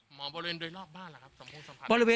หมอเพลินละบ้านเหรอครับตรวงโบรสัมผัส